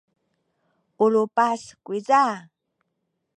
u lupas kuyza.